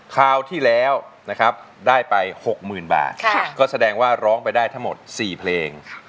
คราวที่แล้วนะครับได้ไป๖๐๐๐บาทก็แสดงว่าร้องไปได้ทั้งหมด๔เพลง